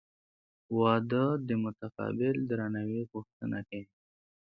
• واده د متقابل درناوي غوښتنه کوي.